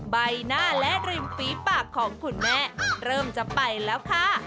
ใบหน้าและริมฝีปากของคุณแม่เริ่มจะไปแล้วค่ะ